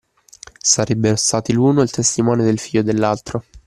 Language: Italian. Sarebbero stati l’uno il testimone del figlio dell’altro.